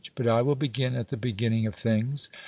But I will begin at the beginning of things.